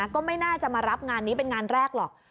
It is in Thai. ก็ไม่น่าจะมารับงานนี้เป็นงานแรกหรอก